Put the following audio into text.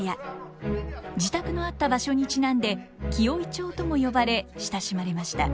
自宅のあった場所にちなんで「紀尾井町」とも呼ばれ親しまれました。